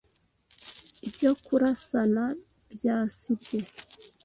Ibyo kurasana byasibye